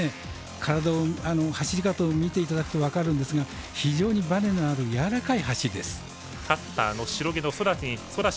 体の走り方を見ていただくと分かるんですが非常にバネのあるやわらかい走りです。